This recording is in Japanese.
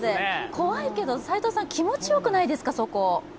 怖いけど、気持ちよくないですか？